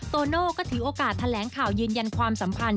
โตโน่ก็ถือโอกาสแถลงข่าวยืนยันความสัมพันธ์